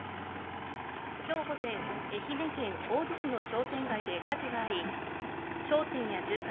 今日午前愛媛県大洲市の商店街で火事があり商店や住宅